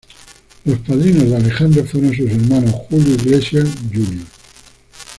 Los padrinos de Alejandro fueron sus hermanos Julio Iglesias, Jr.